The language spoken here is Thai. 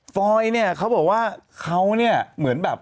ฟอยเนี่ยเขาบอกว่าเขาเนี่ยเหมือนแบบ